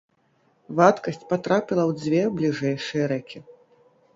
Вадкасць патрапіла ў дзве бліжэйшыя рэкі.